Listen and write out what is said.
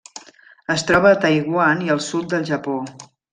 Es troba a Taiwan i el sud del Japó.